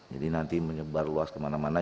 jadi nanti menyebar luas kemana mana